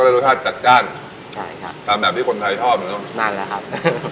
ก็ได้รสชาติจัดจ้านใช่ครับตามแบบที่คนไทยชอบเหรอนั่นแหละครับ